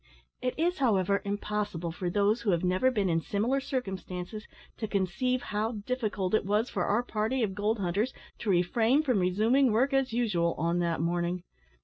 It is, however, impossible for those who have never been in similar circumstances to conceive how difficult it was for our party of gold hunters to refrain from resuming work as usual on that morning.